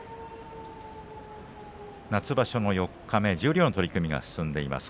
夏場所、四日目十両の取組が進んでいます。